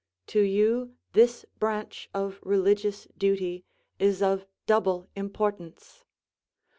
To you this branch of religious duty is of double importance.